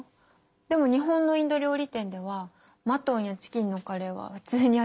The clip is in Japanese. でも日本のインド料理店ではマトンやチキンのカレーは普通にありますよ。